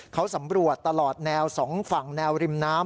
เขาสำรวจตลอดแนวสองฝั่งแนวริมน้ำ